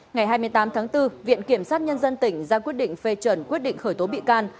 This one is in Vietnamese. ngày hai mươi tám tháng bốn viện kiểm sát nhân dân tỉnh ra quyết định phê chuẩn quyết định khởi tố bị can